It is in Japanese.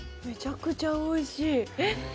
めちゃくちゃおいしい。